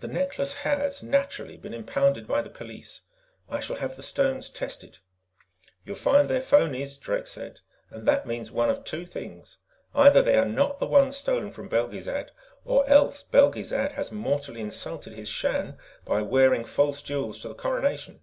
"The necklace has, naturally, been impounded by the police. I shall have the stones tested." "You'll find they're phonies," Drake said. "And that means one of two things. Either they are not the ones stolen from Belgezad or else Belgezad has mortally insulted his Shan by wearing false jewels to the Coronation."